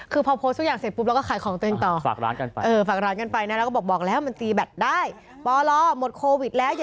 คือพอโพสต์ของรูปทุกอย่างเสร็จ